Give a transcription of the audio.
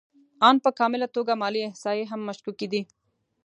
آن په کامله توګه مالي احصایې هم مشکوکې دي